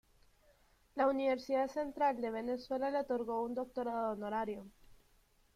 La Universidad Central de Venezuela le otorgó un doctorado honorario.